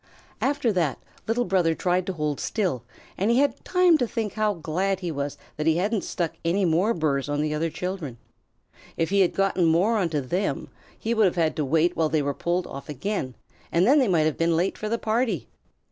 After that Little Brother tried to hold still, and he had time to think how glad he was that he hadn't stuck any more burrs on the other children. If he had gotten more onto them, he would have had to wait while they were pulled off again, and then they might have been late for the party.